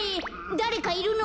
だれかいるの？